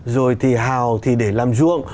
rồi thì hào thì để làm ruộng